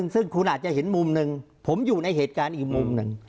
ซึ่งคุณอาจจะเห็นมุมหนึ่งผมอยู่ในเหตุการณ์อีกมุมหนึ่ง